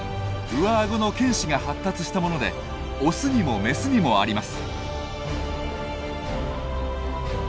上顎の犬歯が発達したものでオスにもメスにもあります。